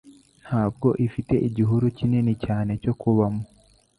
ntabwo ifite igihuru kinini cyane cyo kubamo